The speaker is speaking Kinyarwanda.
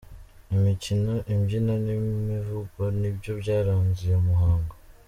Imikino imbyino n'imivugo nibyo byaranze uyu muhango.